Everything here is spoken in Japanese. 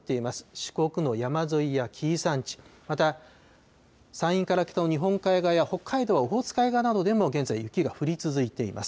四国の山沿いや紀伊山地、また山陰から北の日本海側や北海道はオホーツク海側などでも現在、雪が降り続いています。